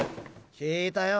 聞いたよ。